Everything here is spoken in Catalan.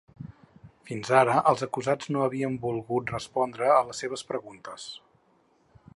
Fins ara els acusats no havien volgut respondre a les seves preguntes.